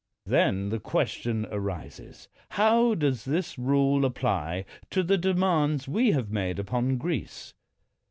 Then the question arises, how does this rule apply to the demands we have made upon Greece?